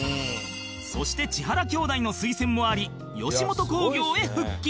そして千原兄弟の推薦もあり吉本興業へ復帰